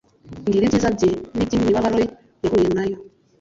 mbwira ibyiza bye n'iby'imibabaro yahuye nayo